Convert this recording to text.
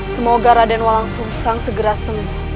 semoga radenolang sosa segera sembuh